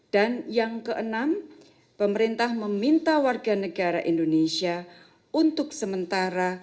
dan yang keenam pemerintah meminta warga negara indonesia untuk sementara